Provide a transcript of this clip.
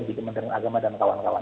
di kementerian agama dan kawan kawan